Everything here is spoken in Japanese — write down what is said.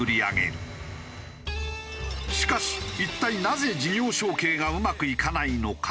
しかし一体なぜ事業承継がうまくいかないのか？